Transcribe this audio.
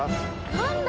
何だ？